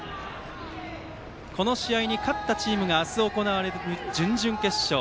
この試合に勝ったチームが明日行われる準々決勝